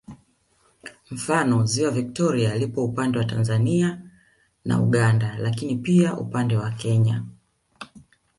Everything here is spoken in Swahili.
Mfano ziwa Viktoria lipo upande wa Tanzania na Uganda lakini pia upande wa Kenya